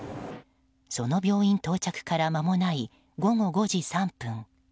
その病院到着から間もない午後５時３分。